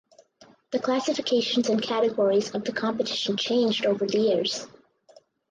The classifications and categories of the competition changed over the years.